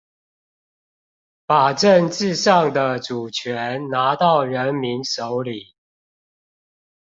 把政治上的主權拿到人民手裡